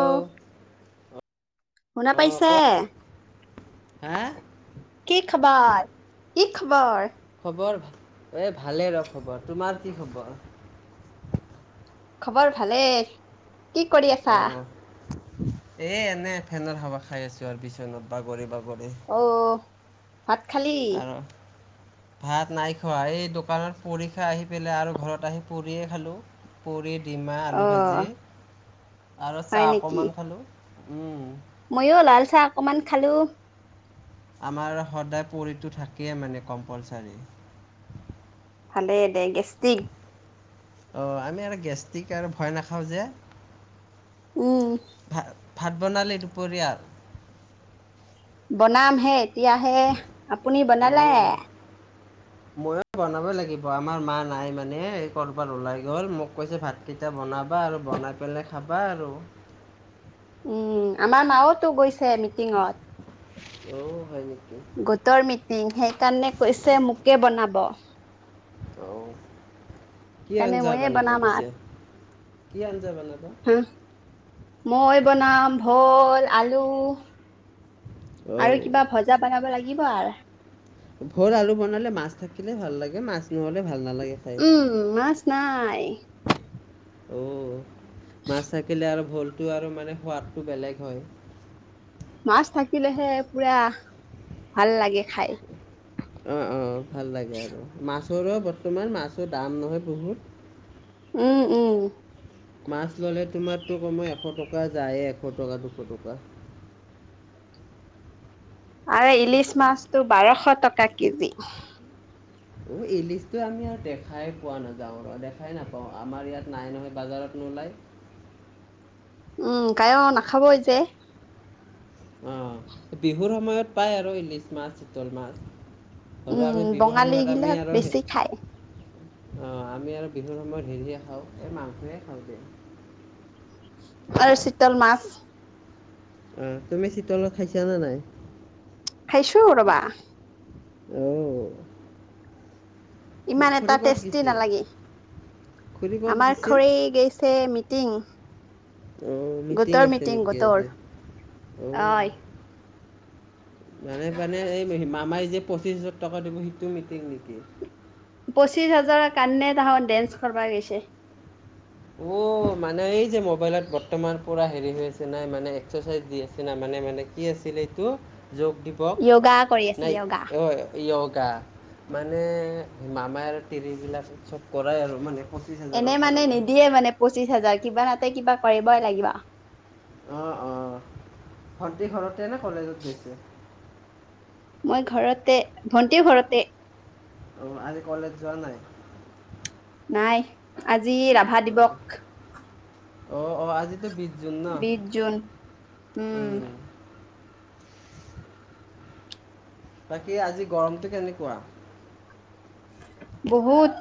অহ অ' ', শুনা অ পাইছে? কোৱা। হা? কি খবৰ- কি খবৰ? খবৰ, এই ভালেই ৰ খবৰ। তোমাৰ কি খবৰ? খবৰ ভালেই। কি কৰি আছা? অ', এই এনে, ফেনৰ হাৱা খাই আছো আৰু বিছনাত বাগৰি- বাগৰি। অ' হাত। খালি। আৰু ভাত নাই খোৱা। এই দোকানত পুৰি খাই আহি পেলাই আৰু ঘৰত আহি পুৰিয়ে খালোঁ। পুৰি ডিমা, আলু অ' ভাজি আৰু চাহ অকণমান খালোঁ। উম', মইও লাল চাহ অকমান খালোঁ। আমাৰ সদায় পুৰিটো থাকেই মানে কম্পালচাৰী। ভালেই দে, গেষ্টিক অ', আমি আৰু গেষ্টিক আৰু ভয় নাখাওঁ যে। উম। ভ ভাত বনালে দুপৰীয়াৰ? বনাম হে। তেতিয়াহে, আপুনি বনালে? অ', ময়ো বনাবই লাগিব আমাৰ মা নাই মানে এই কৰ'বাত ওলাই গ'ল মোক কৈছে ভাতকেইটা বনাবা আৰু বনাই পেলাই খাবা আৰু। উম, আমাৰ মাওতো গৈছে মিটিঙত অ' হয় নেকি গোটৰ মিটিং সেইকাৰণে কৈছে মোকে বনাব অ', কি সেইকাৰণে আঞ্জা ময়ে বনাবা বনাম পিছে? কিয় হ যাব নাব আৰ। মই বনাম ভোল, আলু আৰু অ' কিবা ভজা বনাব লাগিব আৰ ভোল আলু বনালে মাছ থাকিলে ভাল লাগে মাছ নহলে ভাল নালাগে। খাই উম, মাছ নাই। অ', মাছ থাকিলে আৰু ভোলটো আৰু মানে সোৱাদটো বেলেগ হয়। মাছ থাকিলেহে পুৰা ভাল লাগে খাই। ওচৰোৱা বৰ্তমান মাছৰ দাম নহয় বহুত। উম, উম। মাছ ল'লে তোমাৰতটো কমই এশ টকা যায়ে এশ টকা দুশ টকা। আৰু ইলিচ মাছটো বাৰশ টকা কেজি। অ', ইলিচটো আমি আৰু দেখাই পোৱা নাযাওঁ। দেখাই নাপাওঁ আমাৰ ইয়াত নাই নহয় বাজাৰত নোলায়। উম কাই ন, খাবই যে। অ বিহুৰ সময়ত পায়াৰ ইলিছ মছ চিতল মাছ। হ'লেও উম আমি বিহুৰ সময়ত বঙালীগিলাক বেছি খায়। অ আমি আৰু বিহুৰ সময়ত হেৰিয়ে খাওঁ এই মাংস এ খাওঁগে। আৰু চিতল মাছ আহ তুমি চিতলত খাইছা নে নাই? খাইছো ৰবা। অ। ইমান এটা টেষ্টি নালাগে খুৰী ক'ত আমাৰ খৰি গৈছে ম, টিং। অ মিটিং আছে নেকি গোটৰ। আজি অ। অই, মানে মানে এই মামাই যে পচিশ হাজাৰ টকা দিব সেইটো মিটিং নেকি? পঁচিশ হাজাৰৰ কাৰণে তাহত ডেন্স কৰবা গেছে। অ মানে এই যে মোবাইলত বৰ্তমান পুৰা হেৰি হৈ আছে না মানে এক্সাৰচাইজ দি আছে না। মানে মানে কি আছিলে এইটো? যোগ দিৱস য়োগা কৰি আছে নাই য়োগা। অ য়োগ। কা মানে মামাই আৰু তিৰিবিলাক চব কৰাই আৰু মানে পঁচিছ হাজাৰৰ এনে মানে কাৰণে নিদিয়ে মানে পঁচিশ হাজাৰ কিবা এটা কিবা কৰিবই লাগিব। অ অ ভণ্টি ঘৰতে নে কলেজত গৈছে? মই ঘৰতে ভণ্টিও ঘৰতে। অ আজি কলেজ যোৱা নাই? নাই আজ আজি ৰাভা দিৱস। অ অ আজি বিশ জুন ন, বিশ জুন উম। বাকী আজি গৰমটো কেনেকুৱা? বহুত।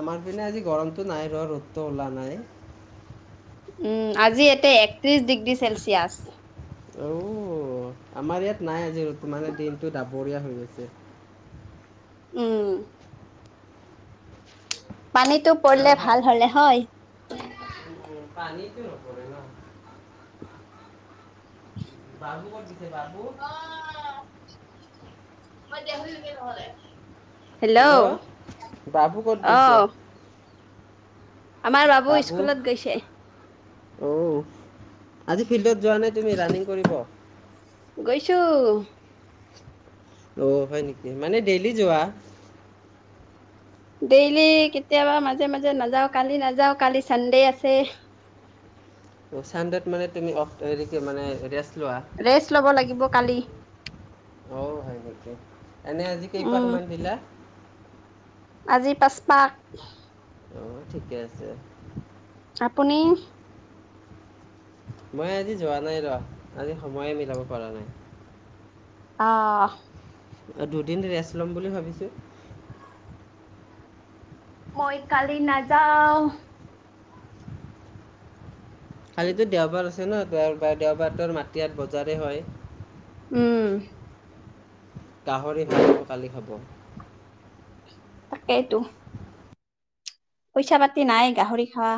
আমাৰ পিনে আজি গৰমটো নাই বাৰু ৰ'দটো ওলা নাই। উম আজি এতে একত্ৰিশ ডিগ্ৰী চেলচিয়াছ। অও আমাৰ ইয়াত নাই আজি। মানে দিনটো ডাবৰীয়া হৈছে। হৈছে। উম। [unintelligible] পানীটো আৰু পৰলে, ভাই ভাল হ'লে হয়। উম, [unintelligible] বাবু ক'ত গৈছে বাবু? [unintelligible] হেল্ল'! অ বাবু ক'ত গৈছে? আমাৰ বাবু স্কুলত গৈছে। অও। আজি ফিল্ডত যোৱা নাই, তুমি ৰানিং কৰিব? গৈছো অ' হয় নেকি, মানে ডেইলি যোৱা? ডেইলি কেতিয়াবা মাজে-মাজে নাযাও। কালি নাযাও, কালি চানডে আছে। অ' চানডেত মানে তুমি অফ হেৰি কি মানে ৰেষ্ট লোৱা? ৰেষ্ট লব লাগিব কালি। অ' হয় নেকি। এনে আজি কেইপাক মান উম দিলা? আজি পাঁচপাক। অঁ, ঠিকে আছে। আপুনি? মই আজি যোৱা নাই ৰহ, আজি সময়ে মিলাব পাৰা নাই। অহ। দুদিন ৰেচ ল'ম বুলি ভাবিছো। মই কালি নাযাওঁ। কালিতো দেওবাৰ আছ [unintelligible] ন দেওবাৰ, দেওবাৰটোৰ মাটি ইয়াত বজাৰেই হয়। উম। গাহৰি ভাল হ'ব কালি খাব। তাকেইতো। পইচা পাতি নাই, গাহৰি খাৱা।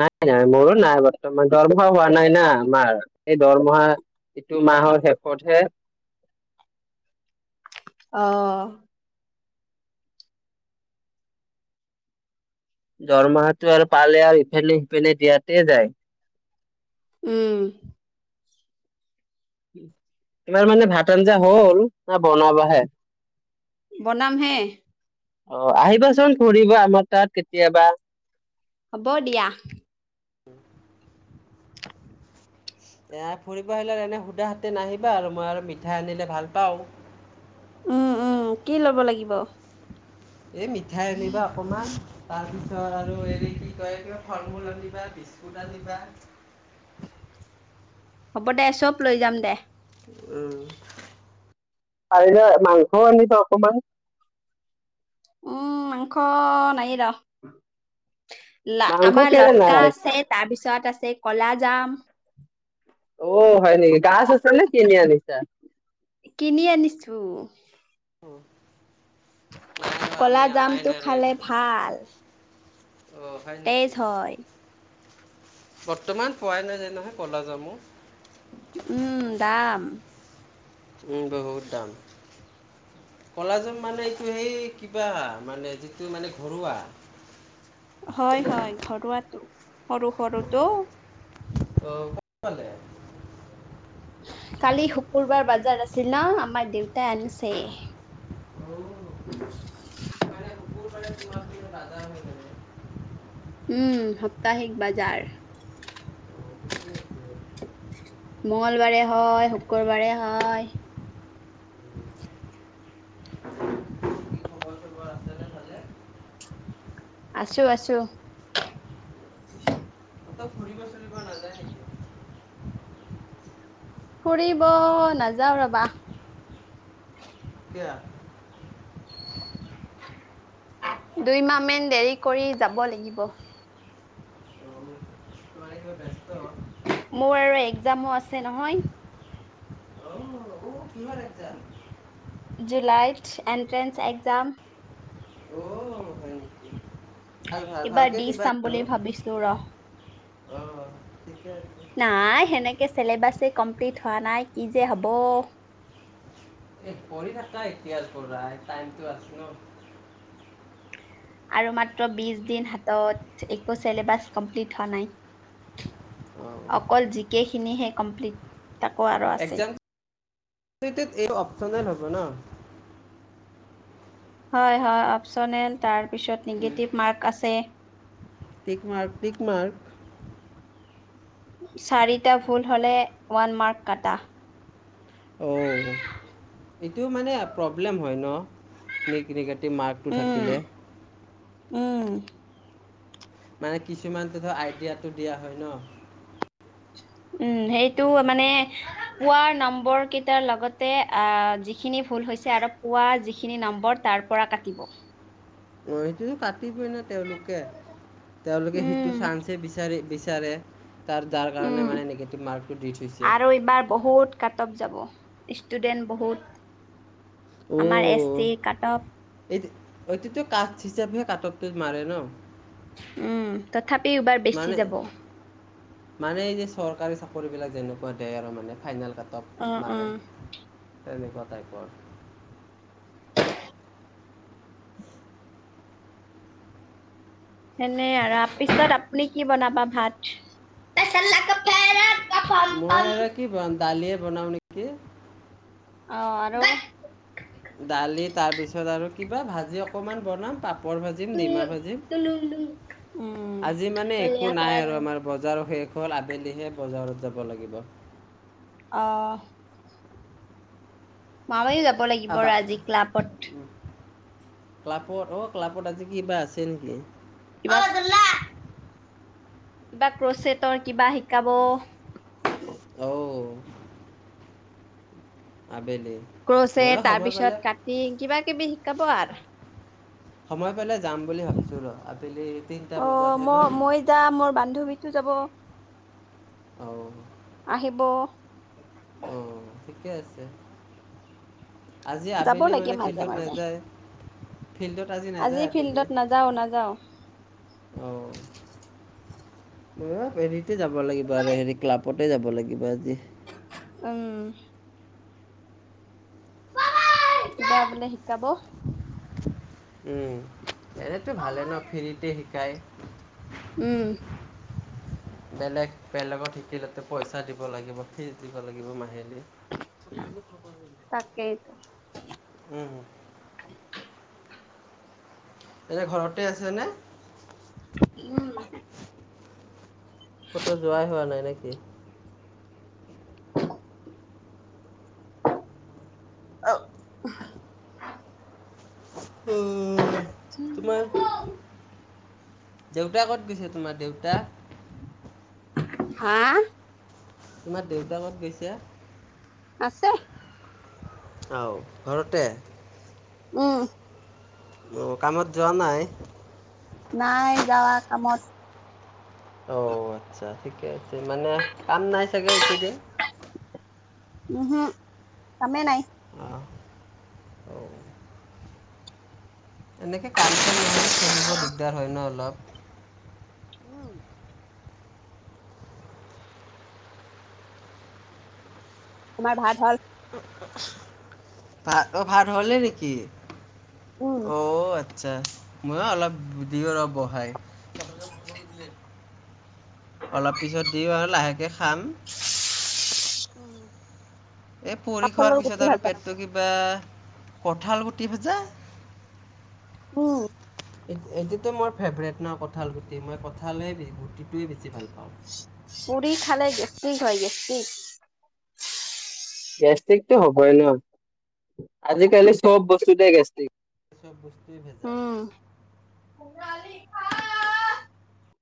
নাই-নাই মোৰো নাই বৰ্তমান, দৰমহা হোৱা নাই না আমাৰ। এই দৰমহা ইটো মাহৰ শেষতহে। অ। দৰমাহাটো আৰু পালে আৰু ইফেলে-সিফেলে দিয়াতে যায়। উম। তোমাৰ মানে ভাত আঞ্জা হ'ল। নে বনাবাহে? বনাম হে। অ, আহিবাচোন ফুৰিব আমাৰ তাত কেতিয়াবা। হ'ব দিয়া। দেয়া ফুৰিব আহিলে এনেই সুধা হাতে নাহিবা আৰু মই আৰু মিঠাই আনিলে ভাল পাওঁ। উম উম, কি ল'ব লাগিব? এ মিঠাই আনিবা অকমান তাৰপিছ আৰু হেৰি কি কয় ফল-মূল আনিবা, বিস্কুট আনিবা। হ'ব দে চব লৈ যাম দে। উম মাংস আনিবা অকনমান। উম মাংস নাইৰ। ল মাংস আমাৰ কেলে লটকা নাই আছে তাৰপিছত আছে কলা যাম। অঁ, হয় নেকি গাছ আছ নে কিনি আনিছা? কিনি আনিছো। নাই ৰ কলা আমি আনাই জামটো নাই ৰে খালে ভাল। অ হয় তেজ নেকি হয়। বৰ্তমান পোৱাই নাই নাযায় নহয় ক'লা যামো। উম, দাম বহুত দাম কলাজামো মানে এইটো সেই কিবা মানে যিটো মানে ঘৰুৱা। হয়, হয়, ঘৰুৱাটো। সৰু সৰুতো। অঁ, ক'ত-পালে? কালি শুকুৰবাৰ বজাৰ আছিল ন আমাৰ দেউতাই আনিছে। অঁ। মা [inaudible] হত আজাৰ হয় মানে উম সাপ্তাহিক বজাৰ কি মংগলবাৰে হয়, শুক্ৰবাৰে হয় খবৰ চবৰ আছেনে ভালে? আছোঁ আছোঁ [unintelligible] ক'তো ফুৰিব চুৰিব নাযায় নেকি? ফুৰিব নাযাওঁ ৰবা [inaudible] [unintelligible] দুইমাহ মেন দেৰি কৰি যাব লাগিব। অ', মানে কিবা ব্যস্ত? অ', মোৰ আৰু একজামো আছে নহয় [unintelligible] [inaudible] জুলাইত এণ্ট্ৰেন্স একজাম অ', হয় নেকি? ভাল ভাল এইবাৰ ভালকে দি চাম বুলি ভাবিছো ৰহ অঁ ঠিকে আছে। নাই সেনেকৈে চিলেবাছে কমপ্লিট হোৱা নাই কি যে হব পঢ়ি থাকা এতিয়াৰ পৰাই টাইমটো আছ ন আৰু মাত্ৰ বিশ দিন হাতত একো চিলেবাছক কমপ্লিট হোৱা নাই অ', অকল জি কে খিনিহে কমপ্লিত তাকো আৰু আছেই তিত এই অপচনেল হ'ব ন হয় হয় অপচনেল তাৰ তাৰপিছত নিগেটিভ মাৰ্ক আছে টিকমাৰ্ক টিকমাৰ্ক? চাৰিটা ভুল হ'লে ওৱান মাৰ্ক কাটা অ', এইটো মানে প্ৰব্লেম হয় ন? নি মাৰ্কটো উম থাকিলে উম মানে কিছুমানটো ধৰা আইটিয়াটো দিয়া হয় ন উম সেইটো মানে পোৱাৰ নম্বৰ কেইটা লগতে আহ যিখিনি ভুল হৈছে আৰু পোৱা যিখিনি নম্বৰ তাৰ পৰা কাটিব মইটো কাট কাটি পিনে তেওঁলোকে তেওঁলোকে সেইটো উম চান্সহে বিচাৰে বি বিচাৰে তাৰ যাৰ উম কাৰণে মানে নিগেটিভ মাৰ্কটো দি থৈছে আৰু এইবাৰ বহুত কাট অফ যাব ষ্টুডেণ্ট বহুত আমাৰ এছ অহ টি কাট অফ এইতি ঐটিতো কাট হিচাপেহে কাট্অফ টো মাৰে ন উম তথা তথাপিও এইবাৰ বেছি মানে যাব মানে এই যে চৰকাৰী চাকৰি বিলাক যেনেকুৱা দে আৰু মানে ফাইনেল কাট্অফ অ মাৰে তেনেকুৱা টাইপৰ এনে আৰু আ পিছত আপুনি কি বনাবা ভাত? [inaudible] [unintelligible] মই আৰু কি বনাম দালিয়ে বনাওঁ নেকি অ আৰু দালি তাৰপিছত আৰু কিবা ভাজি অকমান বনাম পাপ পাপৰ ভাজিম ডিমা তুলুং ভাজিম তুলুং উম। আজি মানে একো পলিয়া নাই খাৰাং আৰু আমাৰ বজাৰ শেষ অকল আবেলিহে বজাৰত যাব লাগিব অ মামা কি যাব যাব লাগিব আৰু আজি ক্লাবত ক্লাপত অ ক্লাপত আজি কিবা আছে নেকি কিবা অ দৌল দা কিবা ক্ৰচেটৰ কিবা শিকাব অঔ ক্ৰচে ময়ো তাৰ সময় পালে পিছত কাটি কিবা কিবি শিকাব আৰু সময় পালে যাম বুলি ভাবিছোঁ ৰ আবেলি তিনিটা বজাতহে ন টো যাব আহিব অ ঠি ঠিকে আছে আজি যাব আবেলি লাগে মানে মাজে ফিল্ডত মাজে নেযায় আজি ফিল্ডত নাযাওঁ নাযাওঁ অঁ [unintelligible] তে যাব লাগিব আৰু হেৰি ক্লাব অতে যাব লাগিব আজি উম কিবা বোলে শিকাব? উম, এনেতো ভালে ন ফ্ৰীতে শিকায়। উম বেলেগ বেলেগত শিকিলেতে পইচা দিব লাগিব, ফিচ দিব লাগিব মাহে তাকেইতো উম এনে ঘৰতে আছেনে? উম কটো যোৱাই হোৱা নাই নেকি? [unintelligible] অহ তোমাৰ দেউতা কত গৈছে তোমাৰ দেউতা? হা? তোমাৰ দেউতা কত গৈছে? আছে আও ঘৰতে উম অঁ কামত যোৱা নাই? নাই যাৱা কামত। অঁ আচ্ছা ঠিকে আছে, মানে কাম নাই চাগে এইকেইদিন। উহুম, কামে নাই। অঁ অঁও এনেকে কাম-চাম নহলে চলিব দিগদাৰ হয় ন অলপ। উম তোমাৰ ভাত হল? ভাত, অ ভাত হ'লে নেকি? উম অঁ আচ্ছা ময়ো অলপ দিওঁ ৰ বহাই। অলপ পিছত দিওঁ আৰু, লাহেকে খাম। উম এ পুৰি খোৱাৰ কাঠলৰ গুটি পিছত আৰু ভাজা পেটটো লাগিব কিবা, কঠাল গুট [unintelligible] উম এ-এইটোতো মই ফেভৰেট ন কঠাল গুটি, মই কঁঠালেই ব গুটিটোৱেই বেছি ভাল পাওঁ। পুৰি খালে গেছটিক হয় গেছটিক। গেছট্ৰিকটো হ'বই ন আজিকালি চব বস্তুতে গেছট্ৰিক। চব বস্তু ভেজাল উম [unintelligible]